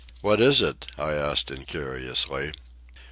"What is it?" I asked incuriously.